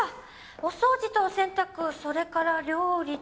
お掃除とお洗濯それから料理と。